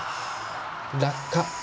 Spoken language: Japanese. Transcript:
落下。